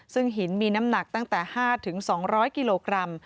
ซึ่งหินมีน้ำหนักตั้งแต่๕๒๐๐กิโลกรัม